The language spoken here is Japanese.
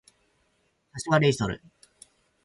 柏レイソル